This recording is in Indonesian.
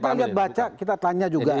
iya kalau kita lihat baca kita tanya juga